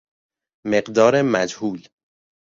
مقدار مجهول